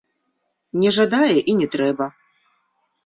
Не жадае, і не трэба.